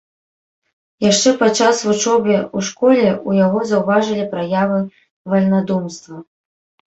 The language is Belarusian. Яшчэ падчас вучобы ў школе ў яго заўважылі праявы вальнадумства.